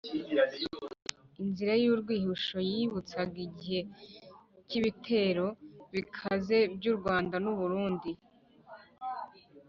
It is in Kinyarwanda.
inzira y’urwihisho: yibutsaga igihe k’ibitero bikaze by’u rwanda n’u burundi